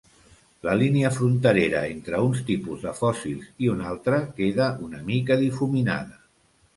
La línia fronterera entre uns tipus de fòssils i un altre queda una mica difuminada.